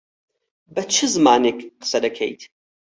بە چ زمانێک قسە دەکەیت؟